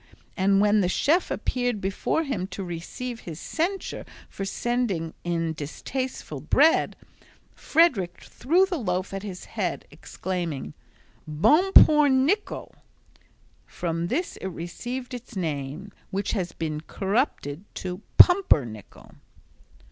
and when the chef appeared before him to receive his censure for sending in distasteful bread, Frederick threw the loaf at his head, exclaiming, "Bon pour Nichol." From this it received its name which has become corrupted to "pumpernickel."